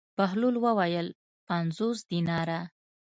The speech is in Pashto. بهلول وویل: پنځوس دیناره.